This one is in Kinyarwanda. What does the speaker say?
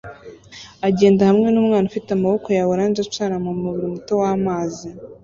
agenda hamwe numwana ufite amaboko ya orange acana mumubiri muto wamazi